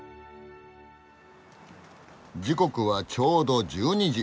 時刻はちょうど１２時。